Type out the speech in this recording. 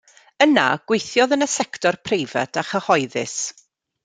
Yna gweithiodd yn y sector preifat a chyhoeddus.